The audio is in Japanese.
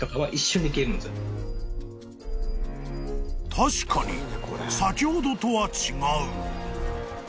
［確かに先ほどとは違う］